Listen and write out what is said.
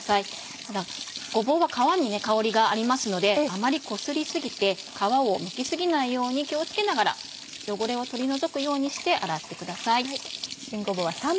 ただごぼうは皮に香りがありますのであまりこすり過ぎて皮をむき過ぎないように気を付けながら汚れを取り除くようにして洗ってください。